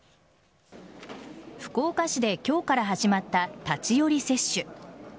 福岡市で今日から始まった立ち寄り接種。